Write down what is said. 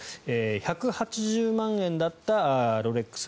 １８０万円だったロレックス。